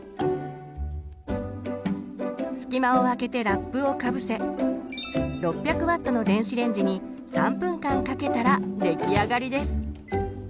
隙間をあけてラップをかぶせ６００Ｗの電子レンジに３分間かけたら出来上がりです。